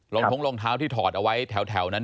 ท้องรองเท้าที่ถอดเอาไว้แถวนั้น